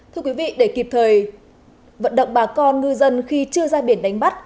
thưa quý vị để kịp thời vận động bà con ngư dân khi chưa ra biển đánh bắt